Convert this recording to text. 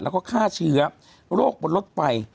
แล้วก็ฆ่าเชื้อโรคบนรถไฟ